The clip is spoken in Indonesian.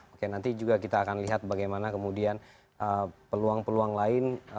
oke nanti juga kita akan lihat bagaimana kemudian peluang peluang lain